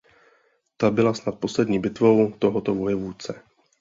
Ta byla snad poslední bitvou tohoto vojevůdce.